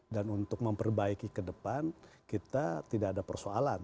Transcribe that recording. dan untuk memperbaiki kedepan kita tidak ada persoalan